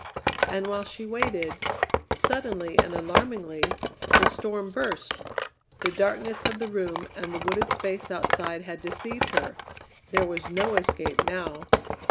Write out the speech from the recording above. And while she waited, suddenly and alarmingly, the storm burst! The darkness of the room and the wooded space outside had deceived her: there was no escape now!